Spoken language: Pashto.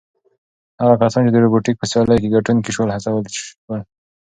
هغه کسان چې د روبوټیک په سیالیو کې ګټونکي شول هڅول شول.